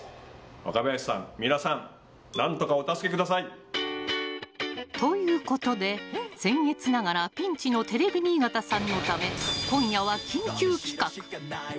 若林さん、水卜さん何とかお助けください。ということで、僭越ながらピンチのテレビ新潟さんのため今夜は緊急企画。